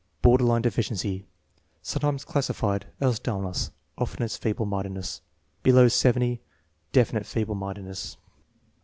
Border line deficiency, sometimes classifiable as dull ness, often as feeble mindedness. Below 70 .... Definite feeble mindedness.